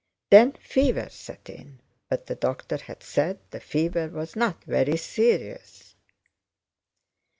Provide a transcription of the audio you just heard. Then fever set in, but the doctor had said the fever was not very serious.